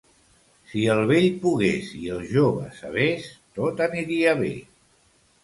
Si el vell pogués i el jove sabés, tot aniria bé.